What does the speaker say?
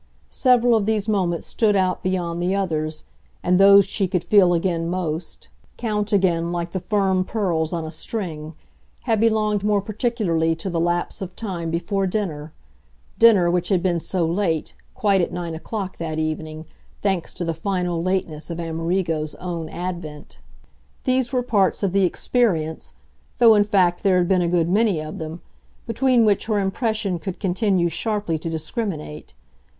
Several of these moments stood out beyond the others, and those she could feel again most, count again like the firm pearls on a string, had belonged more particularly to the lapse of time before dinner dinner which had been so late, quite at nine o'clock, that evening, thanks to the final lateness of Amerigo's own advent. These were parts of the experience though in fact there had been a good many of them between which her impression could continue sharply to discriminate.